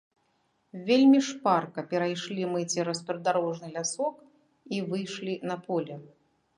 Вельмі шпарка перайшлі мы цераз прыдарожны лясок і выйшлі на поле.